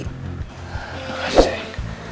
terima kasih sayang